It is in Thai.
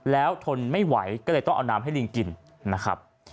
แล้วทนไม่ไหวก็เลยต้องเอาน้ำให้ลิงกินนะครับ